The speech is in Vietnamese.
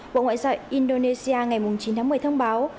bộ ngoại giao indonesia ngày chín tháng một mươi thông báo